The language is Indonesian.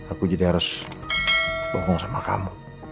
aku jadi harus bohong sama kamu